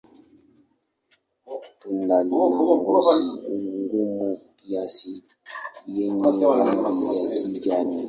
Tunda lina ngozi gumu kiasi yenye rangi ya kijani.